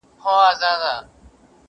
هوسېږو ژوندانه د بل جهان ته!!